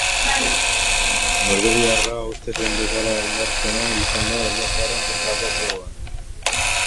Norvegiarra uste zen bezala indartsuena izan da erlojuaren kontrako proban.